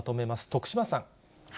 徳島さん。